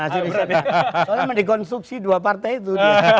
soalnya mendekonstruksi dua partai itu